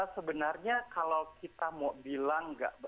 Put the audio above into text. sebenarnya kalau kita mau bilang